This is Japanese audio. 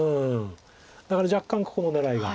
だから若干ここの狙いが。